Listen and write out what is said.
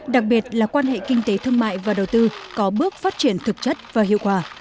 đặc biệt là quan hệ kinh tế thương mại và đầu tư có bước phát triển thực chất và hiệu quả